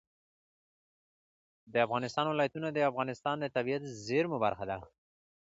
د افغانستان ولايتونه د افغانستان د طبیعي زیرمو برخه ده.